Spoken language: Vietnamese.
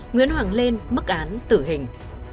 nguyễn hoàng lên mức án tử hình